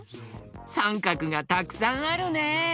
さんかくがたくさんあるね。